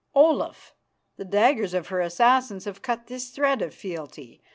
Olaf, the daggers of her assassins have cut this thread of fealty.